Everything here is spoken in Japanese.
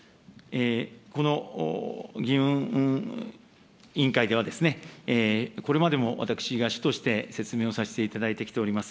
この議運委員会では、これまでも私が主として説明をさせていただいてきております。